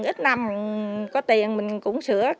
ít năm có tiền mình cũng sửa